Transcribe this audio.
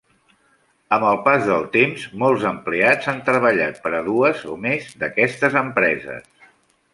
Amb el pas del temps, molts empleats han treballat per a dues o més d'aquestes empreses.